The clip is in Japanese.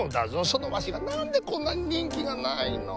そのわしがなんでこんなににんきがないの。